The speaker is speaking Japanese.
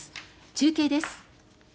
中継です。